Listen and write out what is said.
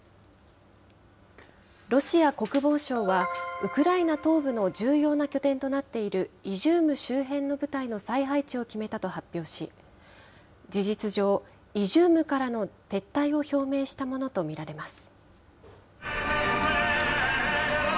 ロシア国防省は、ウクライナ東部の重要な拠点となっている、イジューム周辺の部隊の再配置を決めたと発表し、事実上、イジュームからの撤退を表明したものと見られます。